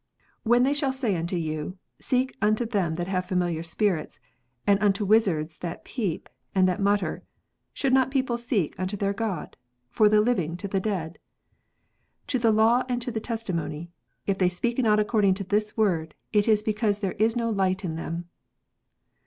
"When they shall say unto you, Seek unto them that have familiar spirits, and unto wizards that peep, and that mutter : should not a people seek unto their God 1 for the living to the dead ? To the law and to the testimony : if they speak not according to this word, it is because there is no light in them."